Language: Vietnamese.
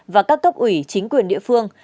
và các cấp ủy chính quyền địa phương